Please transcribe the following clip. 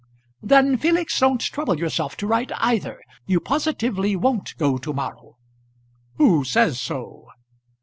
"Then, Felix, don't trouble yourself to write either. You positively won't go to morrow " "Who says so?"